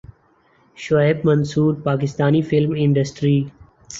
Shoaib Mansoor Pakistani film industry